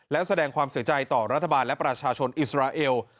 และแสดงความเสียใจต่อรัฐบาลและประชาชนอิสราเอล